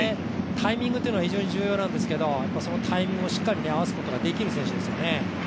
タイミングというのは非常に重要なんですけどタイミングをしっかり合わすことができる選手ですよね。